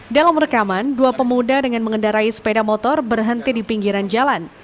dalam rekaman dua pemuda dengan mengendarai sepeda motor berhenti di pinggiran jalan